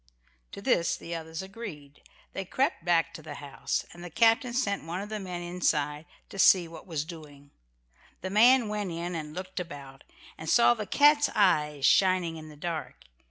To this the others agreed. They crept back to the house, and the captain sent one of the men inside to see what was doing. The man went in and looked about, and saw the cat's eyes shining in the dark.